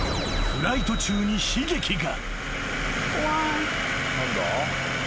［フライト中に悲劇が］